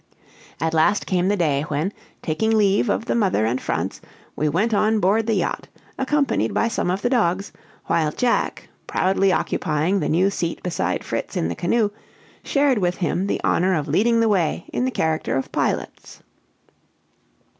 At last came the day, when, taking leave of the mother and Franz, we went on board the yacht, accompanied by some of the dogs; while Jack, proudly occupying the new seat beside Fritz in the canoe, shared with him the honor of leading the way in the character of pilots.